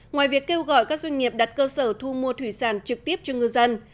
ngoài việc kêu gọi các doanh nghiệp đặt cơ sở thu mua thủy sản trực tiếp cho ngư dân